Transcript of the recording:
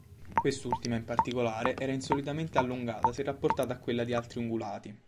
Quest'ultima, in particolare, era insolitamente allungata se rapportata a quella di altri ungulati.